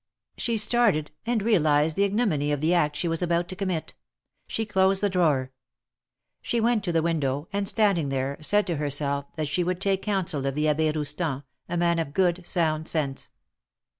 She started, and realized the ignominy of the act she was about to commit. She closed the drawer. She went to the window, and standing there, said to her self that she would take counsel of the Abbe Roustan, a man of good sound sense.